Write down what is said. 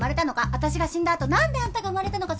私が死んだあとなんであんたが生まれたのか。